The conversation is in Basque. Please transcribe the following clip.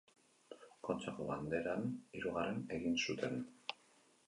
Kontxako Banderan hirugarren egin zuten.